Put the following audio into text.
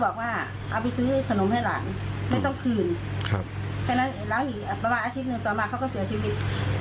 เพราะฉะนั้นแล้วอีกประมาณอาทิตย์หนึ่งต่อมาเขาก็เสียชีวิต